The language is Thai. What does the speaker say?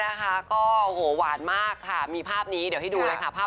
วันเกิดคุณฮันก็หวานมากค่ะมีภาพนี้เดี๋ยวให้ดูด้วยค่ะ